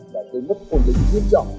đã tới mức khủng linh kiếm trọng